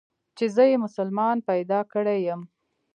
چې زه يې مسلمان پيدا کړى يم.